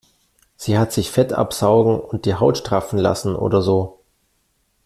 Sie hat sich Fett absaugen und die Haut straffen lassen oder so.